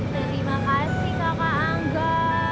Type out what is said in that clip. terima kasih kakak angga